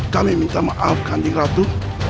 kami minta maaf kambing ratu